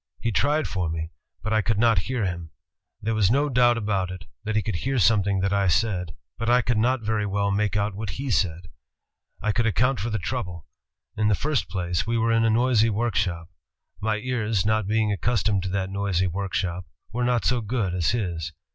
He tried for me, but I could not hear him. There was no doubt about it, that he could hear something that I said, but I could not very well make out what he said. ... I could account for the trouble. In the first place, we were in a noisy workshop. My ears, not being accustomed to that noisy workshop, were not so good as his.